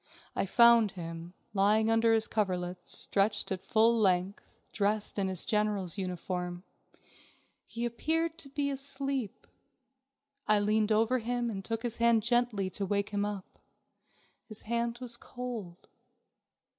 I found him, lying under his coverlets, stretched out his full length, dressed in his general's uniform. He appeared to be asleep. I leaned over him and took his hand gently to wake him up. His hand was cold.